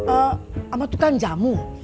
eh kamu tuh kan jamu